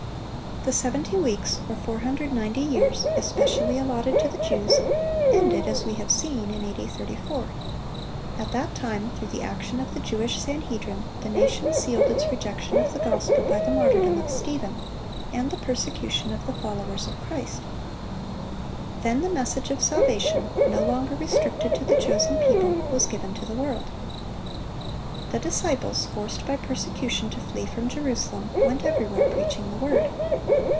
The seventy weeks, or 490 years, especially allotted to the Jews, ended, as we have seen, in A.D. 34. At that time, through the action of the Jewish Sanhedrim, the nation sealed its rejection of the gospel by the martyrdom of Stephen and the persecution of the followers of Christ. Then the message of salvation, no longer restricted to the chosen people, was given to the world. The disciples, forced by persecution to flee from Jerusalem, "went everywhere preaching the Word."